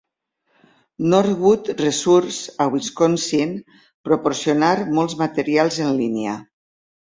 Northwoods Resources, a Wisconsin, proporcionar molts materials en línia.